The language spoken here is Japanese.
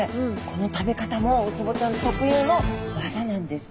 この食べ方もウツボちゃん特有のわざなんです。